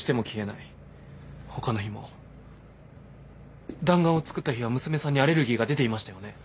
他の日も弾丸を作った日は娘さんにアレルギーが出ていましたよね？